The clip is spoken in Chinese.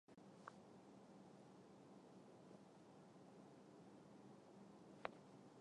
常春县是越南清化省下辖的一个县。